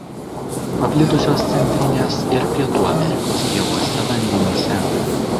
Paplitusios Centrinės ir Pietų Amerikos gėluose vandenyse.